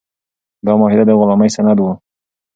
دا معاهده د غلامۍ سند و.